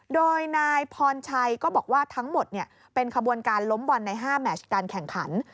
โดยนายพรชัยก็บอกว่าทั้งหมดเป็นขบวนการล้มบอลใน๕แมชการแข่งขัน